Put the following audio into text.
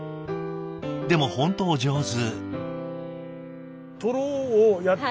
でも本当お上手。